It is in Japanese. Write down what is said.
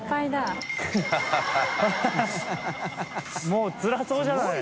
もうつらそうじゃない。